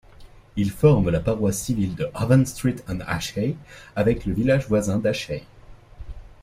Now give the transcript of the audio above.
Il forme la paroisse civile de Havenstreet and Ashey avec le village voisin d'Ashey.